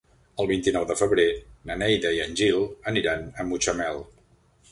El vint-i-nou de febrer na Neida i en Gil aniran a Mutxamel.